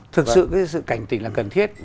thực sự cái sự cảnh tình là cần thiết